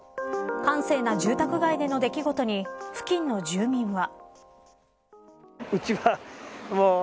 閑静な住宅街での出来事に付近の住民は。